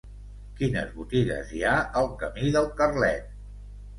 Quines botigues hi ha al camí del Carlet?